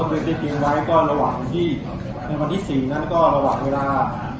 เพื่อให้ทใจผู้ชูที่สามารถเข้ามา